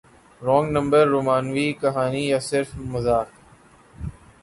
wrong number رومانوی کہانی یا صرف مذاق